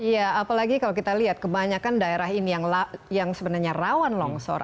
ya apalagi kalau kita lihat kebanyakan daerah ini yang sebenarnya rawan longsor